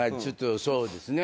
そうですね。